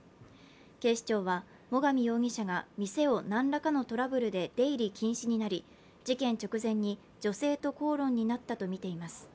警視庁は最上容疑者が店を何らかのトラブルで出入り禁止になり事件直前に女性と口論になったとみています。